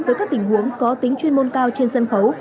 với các tình huống có tính chuyên môn cao trên sân khấu